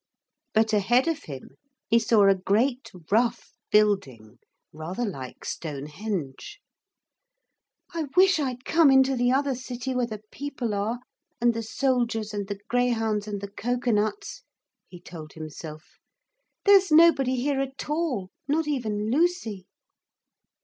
But ahead of him he saw a great rough building, rather like Stonehenge. 'I wish I'd come into the other city where the people are, and the soldiers, and the greyhounds, and the cocoa nuts,' he told himself. 'There's nobody here at all, not even Lucy.'